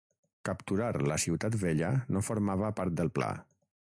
Capturar la Ciutat Vella no formava part del pla.